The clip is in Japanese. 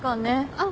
あっ。